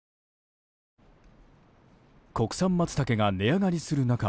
国産マツタケが値上がりする中